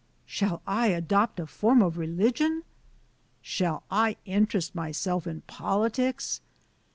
Shall I adopt a form of religion? Shall I interest myself in politics?